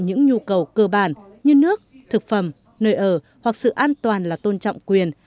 những nhu cầu cơ bản như nước thực phẩm nơi ở hoặc sự an toàn là tôn trọng quyền